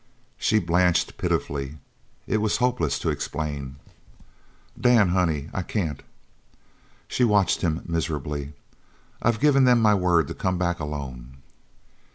She blenched pitifully. It was hopeless to explain. "Dan honey I can't!" She watched him miserably. "I've given them my word to come back alone."